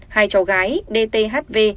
hai cháu gái dt hv